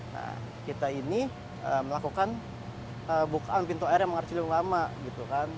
nah kita ini melakukan bukaan pintu air yang mengarah ciliwung lama gitu kan